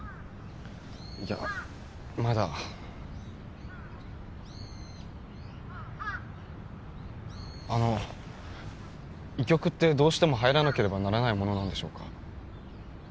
いやまだ医局ってどうしても入らなければならないものなのでしょうか？